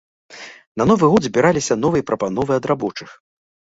На новы год збіраліся новыя прапановы ад рабочых.